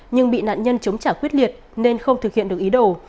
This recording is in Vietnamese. nhưng bị nạn nhân chống trả quyết liệt nên không thực hiện được ý đồ